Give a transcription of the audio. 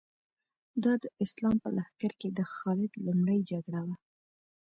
دا د اسلام په لښکر کې د خالد لومړۍ جګړه وه.